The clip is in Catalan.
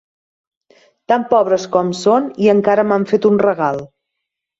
Tan pobres com són i encara m'han fet un regal!